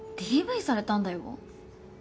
ＤＶされたんだよ？